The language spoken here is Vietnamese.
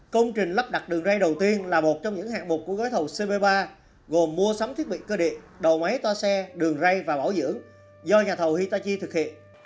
công trình lắp đặt đường ray đầu tiên là một trong những hạng mục của gói thầu cp ba gồm mua sắm thiết bị cơ điện đầu máy toa xe đường rây và bảo dưỡng do nhà thầu hitagi thực hiện